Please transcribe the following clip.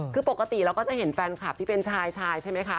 คือปกติเราก็จะเห็นแฟนคลับที่เป็นชายชายใช่ไหมคะ